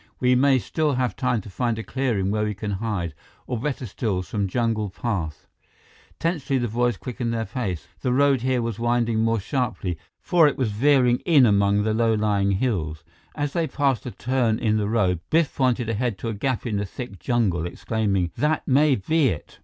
We may still have time to find a clearing where we can hide, or better still, some jungle path." Tensely, the boys quickened their pace. The road here was winding more sharply, for it was veering in among the low lying hills. As they passed a turn in the road, Biff pointed ahead to a gap in the thick jungle, exclaiming, "That may be it!"